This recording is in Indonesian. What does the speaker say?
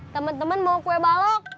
temen temen mau kue balok